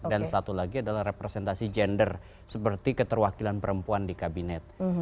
dan satu lagi adalah representasi gender seperti keterwakilan perempuan di kabinet